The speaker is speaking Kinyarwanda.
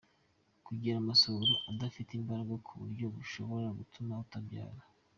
kugira amasohoro adafite imbaraga ku buryo bishobora gutuma utabyara.